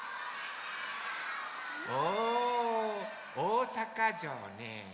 おおさかじょうね。